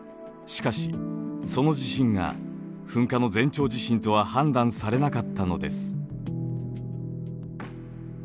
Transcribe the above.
しかしその地震が噴火の前兆地震とは判断されなかったのです。